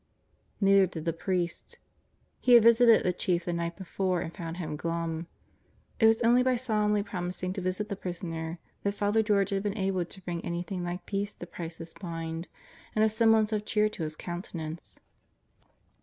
Neither did the priest. He had visited the Chief the night before and found him glum. It was only by solemnly promising to visit the prisoner that Father George had been able to bring anything like peace to Price's mind and" a semblance of cheer to his countenance.